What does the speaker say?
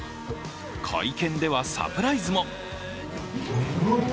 会見ではサプライズも。